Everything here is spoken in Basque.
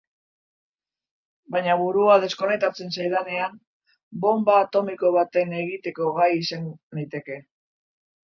Baina burua deskonektatzen zaidanean, bonba atomiko baten egiteko gai izan naiteke!